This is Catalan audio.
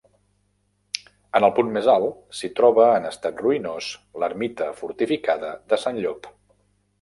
En el punt més alt s'hi troba en estat ruïnós l'ermita fortificada de Sant Llop.